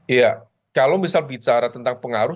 iya kalau misal bicara tentang pengaruh